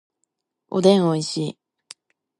おでんおいしい